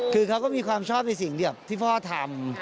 คือเขาก็มีความชอบในสิ่งเดียวที่พ่อทำ